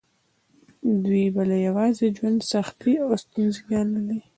دوی به د یوازې ژوند سختې او ستونزې ګاللې.